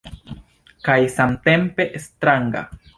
Kaj samtempe stranga.